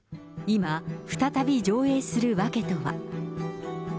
今、再び上映する訳とは。